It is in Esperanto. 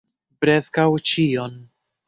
Preskaŭ ĉion.